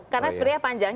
karena sebenarnya panjang